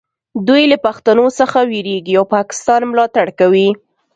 دوی له پښتنو څخه ویریږي او پاکستان ملاتړ کوي